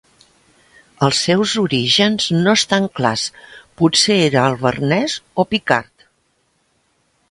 Els seus orígens no estan clars, potser era alvernès o picard.